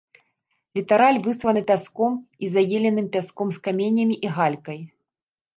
Літараль выслана пяском і заіленым пяском з камянямі і галькай.